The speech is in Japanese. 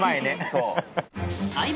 そう。